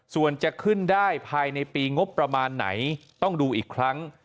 ส่วนจะขึ้นได้ภายในปีงบประมาณไหนต้องดูอีกครั้ง